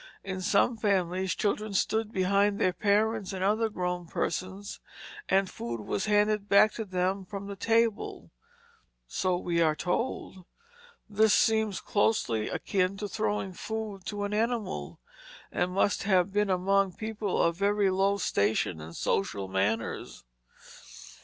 In some families children stood behind their parents and other grown persons, and food was handed back to them from the table so we are told. This seems closely akin to throwing food to an animal, and must have been among people of very low station and social manners.